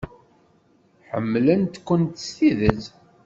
Ḥemmlent-kent s tidet.